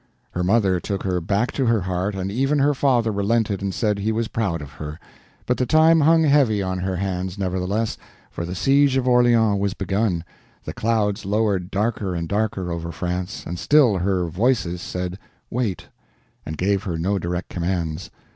Her mother took her back to her heart, and even her father relented and said he was proud of her. But the time hung heavy on her hands, nevertheless, for the siege of Orleans was begun, the clouds lowered darker and darker over France, and still her Voices said wait, and gave her no direct commands.